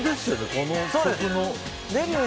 この曲の。